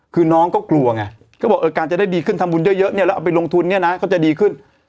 คือน้องก็กลัวไงก็บอกเออการจะได้ดีขึ้นทำบุญเยอะเนี่ยแล้วเอาไปลงทุนเนี่ยนะก็จะดีขึ้น